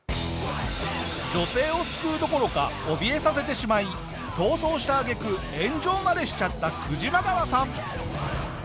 女性を救うどころかおびえさせてしまい逃走した揚げ句炎上までしちゃったクジマガワさん。